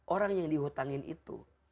orang yang dihutangin itu